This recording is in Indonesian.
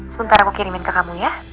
sebentar aku kirimin ke kamu ya